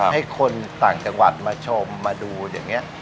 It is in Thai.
ให้คนต่างจังหวัดมาชมมาดูอย่างนี้